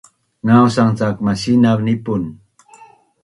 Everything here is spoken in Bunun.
ngausang cak masinav nipun